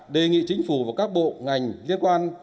đề nghị chính phủ và các bộ ngành liên quan